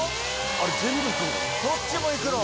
あれ全部行くの？